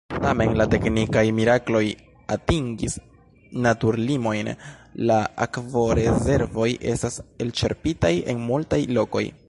Tamen la teknikaj mirakloj atingis naturlimojn – la akvorezervoj estas elĉerpitaj en multaj lokoj.